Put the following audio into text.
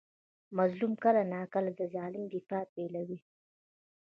مظلوم کله ناکله د ظالم دفاع پیلوي.